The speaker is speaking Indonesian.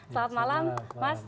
selamat malam mas